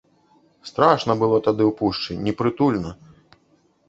Страшна было тады ў пушчы, непрытульна.